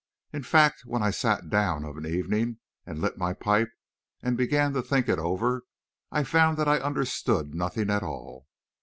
In fact, when I sat down of an evening and lit my pipe and began to think it over, I found that I understood nothing at all.